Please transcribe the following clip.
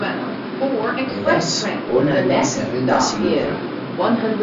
Beraz, hona hemen zerrenda ziurra.